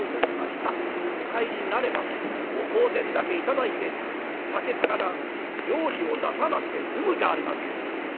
ってんでお帰りになればお香典だけ頂いて酒さかな料理を出さなくて済むじゃありませんか」。